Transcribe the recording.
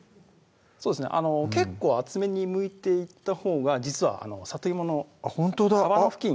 そうですね結構厚めにむいていったほうが実はさといもの皮付近